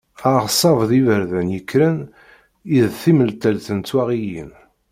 Aɣṣab d yiberdan yekkren i d timentelt n twaɣiyin.